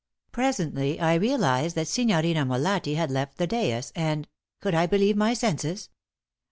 Presently I realized that Signorina Molatti had left the dais and could I believe my senses?